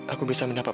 aku bisa mendapatkan